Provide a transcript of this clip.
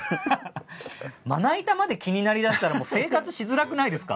まな板まで気になりだしたらもう生活しづらくないですか？